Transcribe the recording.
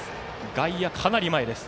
外野、かなり前です。